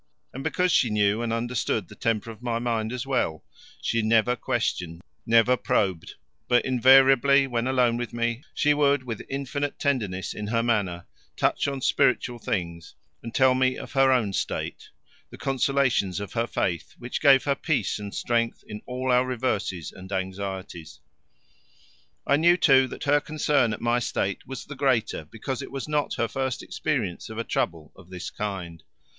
And because she knew and understood the temper of my mind as well, she never questioned, never probed, but invariably when alone with me she would with infinite tenderness in her manner touch on spiritual things and tell me of her own state, the consolations of her faith which gave her peace and strength in all our reverses and anxieties. I knew, too, that her concern at my state was the greater because it was not her first experience of a trouble of this kind.